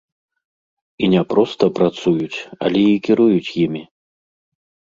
І не проста працуюць, але і кіруюць імі.